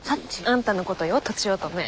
あんたのことよとちおとめ。